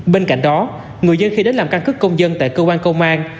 bên cạnh đó người dân khi đến làm căn cứ công dân tại cơ quan công an